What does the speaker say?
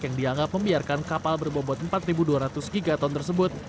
yang dianggap membiarkan kapal berbobot empat dua ratus gigaton tersebut